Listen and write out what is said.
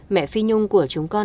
mẹ phi nhung của chúng con